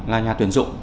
là nhà tuyển dụng